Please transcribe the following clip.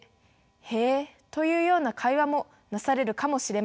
「へえ」。というような会話もなされるかもしれません。